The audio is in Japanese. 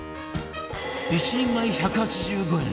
１人前１８５円